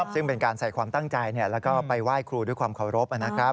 ซึ่งเป็นการใส่ความตั้งใจแล้วก็ไปไหว้ครูด้วยความเคารพนะครับ